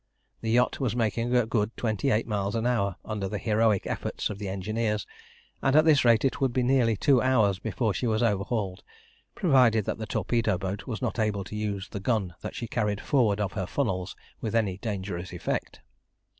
The yacht was making a good twenty eight miles an hour under the heroic efforts of the engineers; and at this rate it would be nearly two hours before she was overhauled, provided that the torpedo boat was not able to use the gun that she carried forward of her funnels with any dangerous effect.